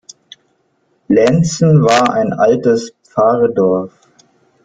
Lenzen war ein altes Pfarrdorf.